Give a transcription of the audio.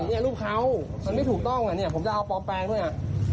เนี่ยรูปเขามันไม่ถูกต้องอ่ะเนี่ยผมจะเอาปลอมแปลงด้วยอ่ะ